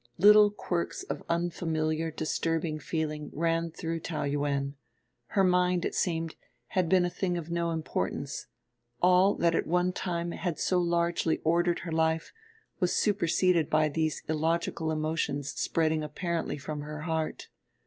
Little quirks of unfamiliar disturbing feeling ran through Taou Yuen; her mind, it seemed, had become a thing of no importance; all that at one time had so largely ordered her life was superseded by these illogical emotions spreading apparently from her heart.